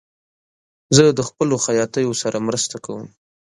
زه د خپلو خیاطیو سره مرسته کوم.